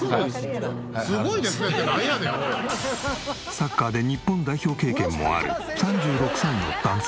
サッカーで日本代表経験もある３６歳の男性。